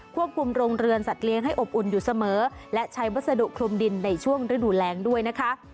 โรงเรือนสัตว์เลี้ยงให้อบอุ่นอยู่เสมอและใช้วัสดุคลุมดินในช่วงฤดูแรงด้วยนะคะ